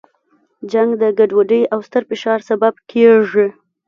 جنګ د ګډوډۍ او ستر فشار سبب کیږي.